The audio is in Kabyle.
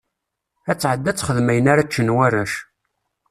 Ad tɛeddi ad texdem ayen ara ččen warrac.